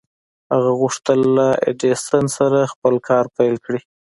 هغه غوښتل له ايډېسن سره خپل کار پيل کړي.